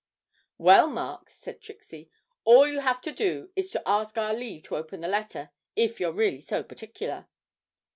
'Well, Mark,' said Trixie, 'all you have to do is to ask our leave to open the letter, if you're really so particular.'